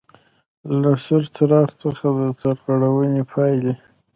له سور څراغ څخه د سرغړونې پاېلې: